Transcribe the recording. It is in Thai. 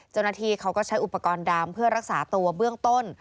เจ้าหน้าที่เขาก็ใช้อุปกรณ์ดำเพื่อรักษาตัวเบื้องต้น